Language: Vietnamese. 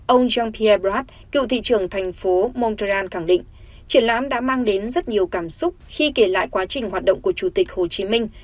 ông jean pierbrad cựu thị trưởng thành phố montreal khẳng định triển lãm đã mang đến rất nhiều cảm xúc khi kể lại quá trình hoạt động của chủ tịch hồ chí minh